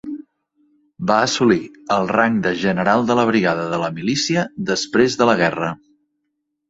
Va assolir el rang de general de la brigada de la milícia després de la guerra.